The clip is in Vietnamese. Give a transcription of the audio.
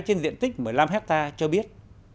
trên diện tích một mươi năm ha cho biết